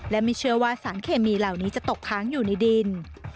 และไม่เชื่อว่าสารเคมีเหล่านี้จะตกค้างอยู่ในดิน